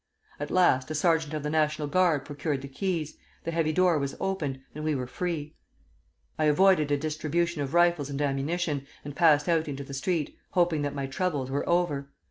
At last a sergeant of the National Guard procured the keys, the heavy door was opened, and we were free. I avoided a distribution of rifles and ammunition, and passed out into the street, hoping that my troubles were over.